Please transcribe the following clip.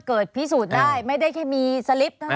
เกิดพิสูจน์ได้ไม่ได้แค่มีสลิป